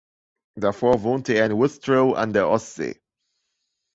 Davor wohnte er in Wustrow an der Ostsee.